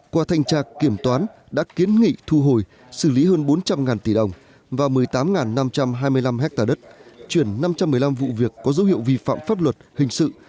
qua thanh tra kiểm toán đã kiến nghị thu hồi xử lý hơn bốn trăm linh tỷ đồng và một mươi tám năm trăm hai mươi năm hectare đất chuyển năm trăm một mươi năm vụ việc có dấu hiệu vi phạm pháp luật hình sự